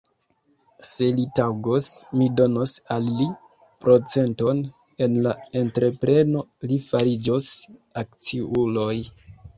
Se li taŭgos, mi donos al li procenton en la entrepreno; li fariĝos akciulo.